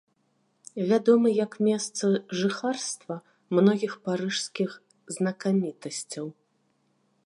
Вядомы як месца жыхарства многіх парыжскіх знакамітасцяў.